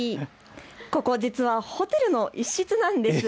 ここ実はホテルの一室なんです。